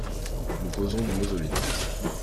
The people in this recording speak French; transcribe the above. Nous causons du mausolée…